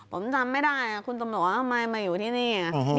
ผมจำไม่ได้คุณตำรวจว่าทำไมมาอยู่ที่นี่